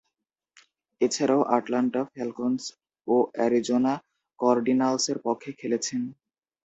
এছাড়াও, Atlanta Falcons ও Arizona কার্ডিনালসের পক্ষে খেলেছেন।